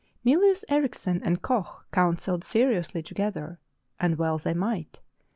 Myhus Erichsen and Koch counselled seriously to gether, and well they might.